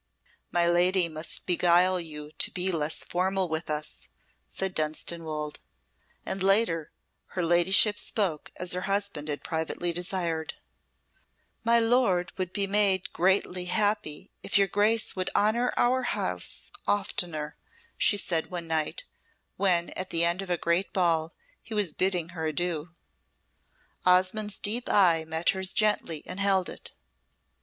"My lady must beguile you to be less formal with us," said Dunstanwolde. And later her ladyship spoke as her husband had privately desired: "My lord would be made greatly happy if your Grace would honour our house oftener," she said one night, when at the end of a great ball he was bidding her adieu. Osmonde's deep eye met hers gently and held it.